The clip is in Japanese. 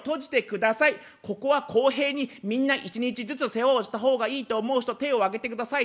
ここは公平にみんな１日ずつ世話をした方がいいと思う人手を挙げてください。